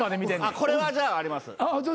これはじゃああります。